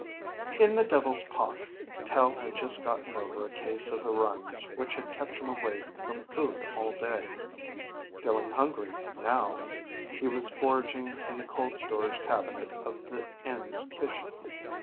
In the Devil's Pot, Tel had just gotten over a case of the runs which had kept him away from food all day. Feeling hungry, now, he was foraging in the cold storage cabinet of the inn's kitchen.